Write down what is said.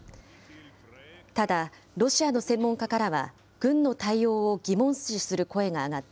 ただ、ロシアの専門家からは、軍の対応を疑問視する声が上がって